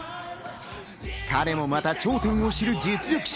彼もまた頂点を知る実力者。